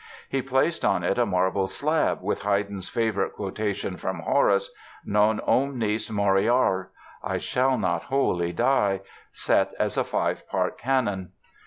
He placed on it a marble slab with Haydn's favorite quotation from Horace, "Non omnis moriar" ("I shall not wholly die"), set as a five part canon.